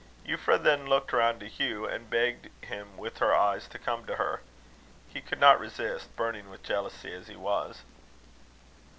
Euphra then looked round to Hugh, and begged him with her eyes to come to her. He could not resist, burning with jealousy as he was.